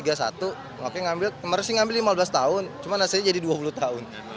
makanya ngambil kemarin sih ngambil lima belas tahun cuma hasilnya jadi dua puluh tahun